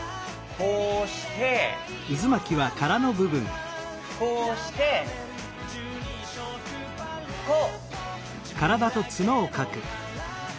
こうしてこうしてこう。